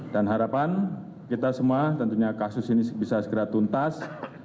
dan harapan kita semua tentunya kasus ini bisa segera tuntas